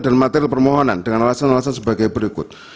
dan material permohonan dengan alasan alasan sebagai berikut